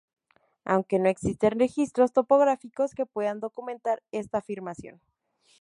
Aunque no existe registros fotográficos que puedan documentar esta afirmación.